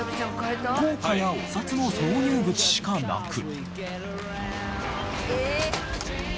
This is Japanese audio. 硬貨やお札の挿入口しかなく。